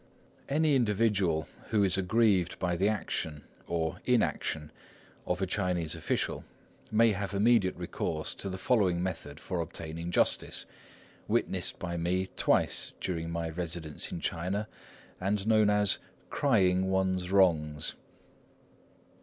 Any individual who is aggrieved by the action, or inaction, of a Chinese official may have immediate recourse to the following method for obtaining justice, witnessed by me twice during my residence in China, and known as "crying one's wrongs."